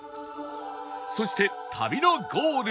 そして旅のゴール